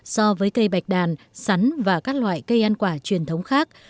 so với cây bạch đàn sắn và các loại cây ăn quả truyền thống khác